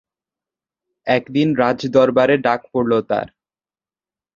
একদিন রাজদরবারে ডাক পড়ল তার।